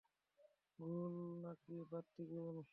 গুল,, নাকি বাত্তি-গুল?